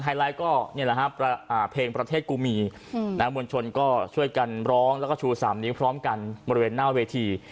ไฮไลท์ก็เพลงประเทศกูมีมวลชนก็ช่วยกันร้องแล้วก็ชูสำนียพร้อมกันบริเวณหน้าเวที